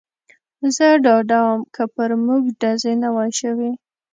زه ډاډه ووم، که پر موږ ډزې نه وای شوې.